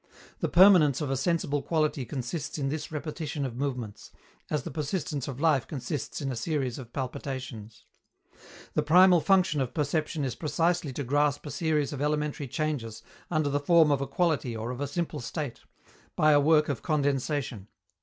The permanence of a sensible quality consists in this repetition of movements, as the persistence of life consists in a series of palpitations. The primal function of perception is precisely to grasp a series of elementary changes under the form of a quality or of a simple state, by a work of condensation.